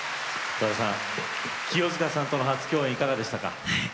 澤田さん、清塚さんとの初共演いかがでしたか？